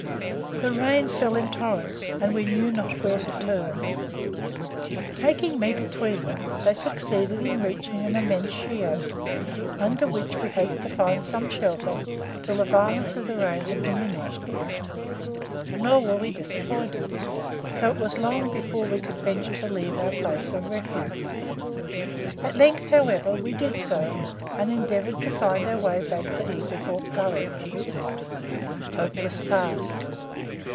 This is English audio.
The rain fell in torrents, and we knew not where to turn. Taking me between them, they succeeded in reaching an immense shea oak, under which we hoped to find some shelter till the violence of the rain had diminished; nor where we disappointed, though it was long before we could venture to leave our place of refuge. At length however, we did so, and endeavoured to find our way back to Eagle Hawk Gully. Hopeless task!